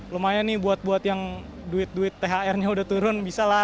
lumayan nih buat buat yang duit duit thr nya udah turun bisa lah